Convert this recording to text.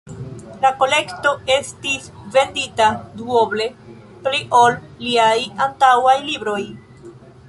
La kolekto estis vendita duoble pli ol liaj antaŭaj libroj.